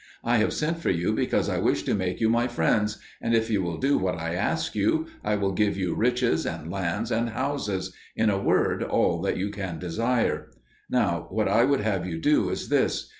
I have sent for you because I wish to make you my friends, and, if you will do what I ask you, I will give you riches and lands and houses in a word, all that you can desire. Now what I would have you do is this.